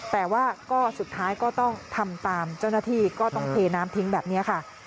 แต่ว่าก็สุดท้ายก็ต้องทำตามเจ้าหน้าที่ก็ต้องเทน้ำทิ้งแบบนี้ค่ะ